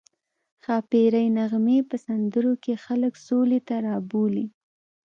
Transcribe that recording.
ښاپیرۍ نغمه په سندرو کې خلک سولې ته رابولي